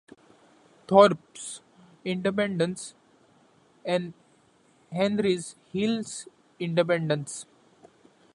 Thorp's Independence and Henry Hill's Independence.